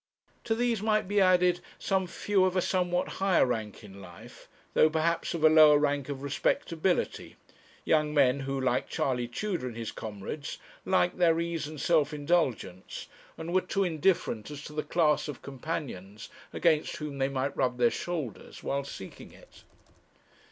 To these might be added some few of a somewhat higher rank in life, though perhaps of a lower rank of respectability; young men who, like Charley Tudor and his comrades, liked their ease and self indulgence, and were too indifferent as to the class of companions against whom they might rub their shoulders while seeking it.